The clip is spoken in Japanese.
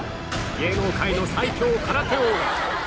芸能界の最強空手王が